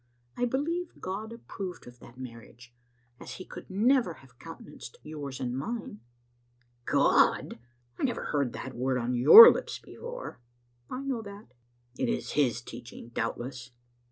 I believe God approved of that marriage, as He could never have countenanced yours and mine. "" God! I never heard the word on your lips before." "I know that." " It is his teaching, doubtless?"